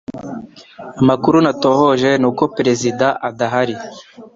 Amakuru natohoje nuko perezida adahari